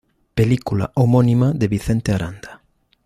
Película homónima de Vicente Aranda.